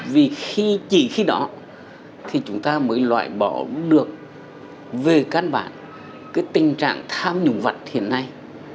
vì chỉ khi đó thì chúng ta mới loại bỏ được về cán bản cái tình trạng tham nhũng vặt hiện nay